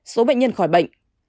số bệnh nhân khỏi bệnh